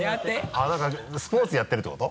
あぁ何かスポーツやってるってこと？